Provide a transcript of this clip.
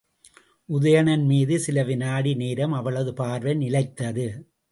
உதயணன்மீது சில விநாடி நேரம் அவளது பார்வை நிலைத்தது.